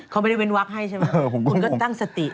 เขาไม่ได้เว้นวักให้ใช่ไหมคุณก็ตั้งสติ